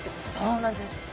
そうなんです！